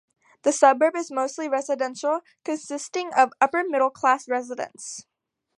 The suburb is mostly residential, consisting of upper-middle class residents.